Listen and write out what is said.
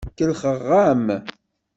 Kellxeɣ-am.